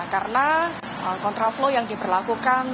karena contra flow yang diperlakukan